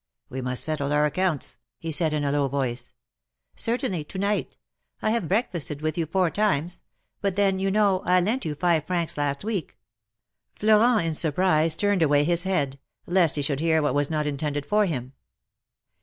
We must settle our accounts," he said, in a low voice. ''Certainly, to night. I have breakfasted with you four times; but then, you know, I lent you five francs last week." Florent in surprise turned away his head, lest he should hear what was not intended for him.